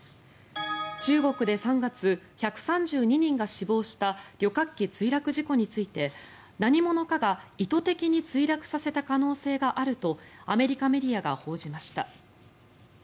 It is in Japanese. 中国で３月、１３２人が死亡した旅客機墜落事故について何者かが意図的に墜落させた可能性があるとアメリカメディアが報じました。